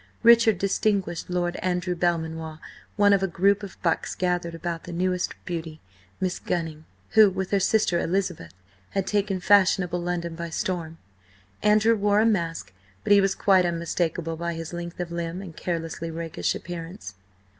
Richard distinguished Lord Andrew Belmanoir, one of a group of bucks gathered about the newest beauty, Miss Gunning, who, with her sister Elizabeth, had taken fashionable London by storm. Andrew wore a mask, but he was quite unmistakable by his length of limb and carelessly rakish appearance.